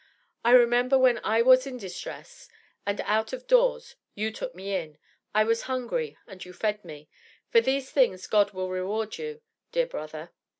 I remember when I was in distress and out of doors, you took me in; I was hungry, and you fed me; for these things God will reward you, dear brother.